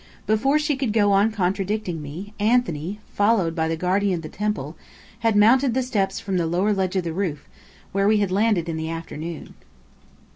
Before she could go on contradicting me, Anthony, followed by the guardian of the temple, had mounted the steps from the lower ledge of the roof, where we had landed in the afternoon.